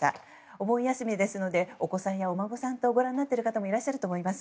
お盆休みですのでお子さんとお孫さんとご覧になっている方もいらっしゃると思います。